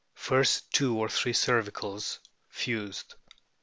First two or three cervicals fused.